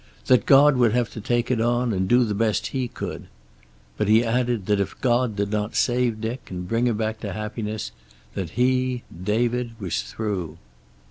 That God would have to take it on, and do the best He could. But he added that if God did not save Dick and bring him back to happiness, that he, David, was through.